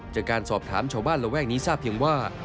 จากการสอบถามชาวบ้านระแวกนี้ทราบเพียงว่า